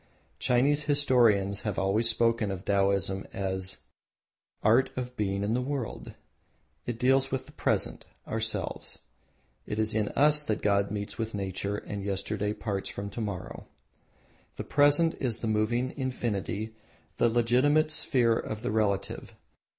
Chinese historians have always spoken of Taoism as the "art of being in the world," for it deals with the present ourselves. It is in us that God meets with Nature, and yesterday parts from to morrow. The Present is the moving Infinity, the legitimate sphere of the Relative.